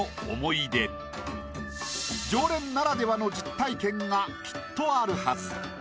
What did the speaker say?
常連ならではの実体験がきっとあるはず。